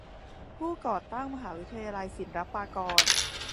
ผู้ก่อตั้งมหาวิทยาลัยศิลปากร